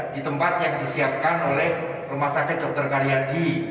di tempat yang disiapkan oleh rumah sakit dr karyadi